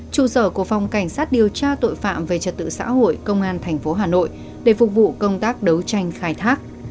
trụ sở của phòng cảnh sát điều tra tội phạm về trật tự xã hội công an tp hà nội để phục vụ công tác đấu tranh khai thác